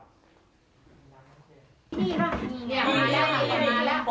นี่ค่ะมาแล้วมาแล้ว